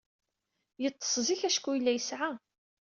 Yeḍḍes zik acku yella yeɛya.